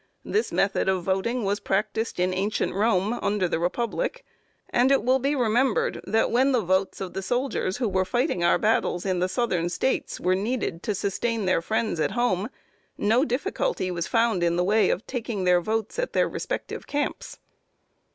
This method of voting was practiced in ancient Rome under the republic; and it will be remembered that when the votes of the soldiers who were fighting our battles in the Southern States were needed to sustain their friends at home, no difficulty was found in the way of taking their votes at their respective camps.